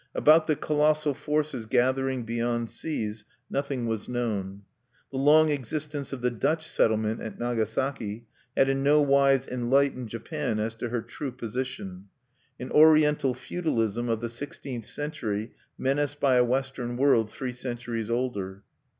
About the colossal forces gathering beyond seas nothing was known. The long existence of the Dutch settlement at Nagasaki had in no wise enlightened Japan as to her true position, an Oriental feudalism of the sixteenth century menaced by a Western world three centuries older.